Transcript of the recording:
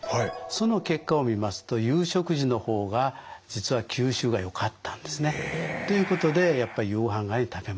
その結果を見ますと夕食時の方が実は吸収がよかったんですね。ということでやっぱり夕ごはん内に食べましょうということになります。